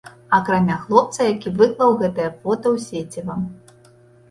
Акрамя хлопца, які выклаў гэтае фота ў сеціва.